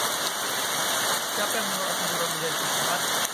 siapa yang menolak teguran menjadi tersesat.